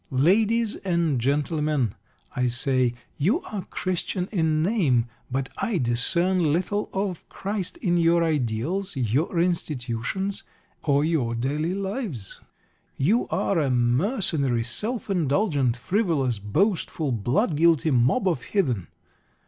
"Ladies and Gentlemen," I say, "you are Christian in name, but I discern little of Christ in your ideals, your institutions, or your daily lives. You are a mercenary, self indulgent, frivolous, boastful, blood guilty mob of heathen.